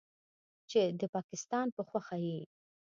چې د پکستان په خوښه یې